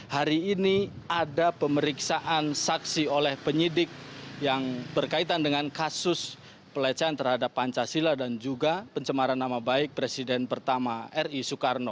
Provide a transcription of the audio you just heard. hari ini ada pemeriksaan saksi oleh penyidik yang berkaitan dengan kasus pelecehan terhadap pancasila dan juga pencemaran nama baik presiden pertama ri soekarno